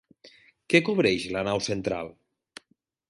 Què cobreix la nau central?